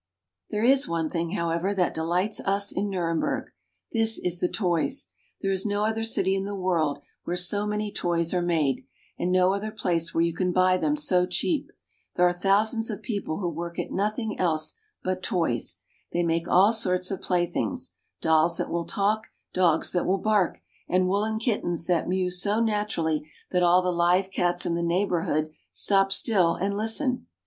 There is one thing, however, that delights us in Nurem berg. This is the toys. There is no other city in the world where so many toys are made, and no other place Its houses have quaint roofs and sharp gables." 274 THE UPPER DANUBE. where you can buy them so cheap. There are thousands of people who work at nothing else but toys. They make all sorts of playthings : dolls that will talk, dogs that will bark, and woolen kittens that mew so naturally that all the live cats in the neighborhood stop still and listen.